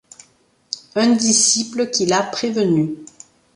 Un disciple qui l’a prévenu.